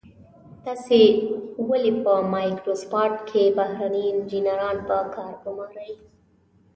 تاسو ولې په مایکروسافټ کې بهرني انجنیران په کار ګمارئ.